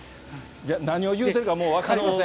何を言うてるかもう分かりません。